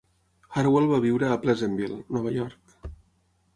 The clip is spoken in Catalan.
Hartwell va viure a Pleasantville, Nova York.